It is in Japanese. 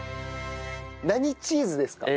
何チーズですか？